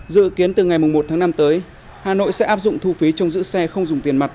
dự kiến từ ngày một tháng năm tới hà nội sẽ áp dụng thu phí trong giữ xe không dùng tiền mặt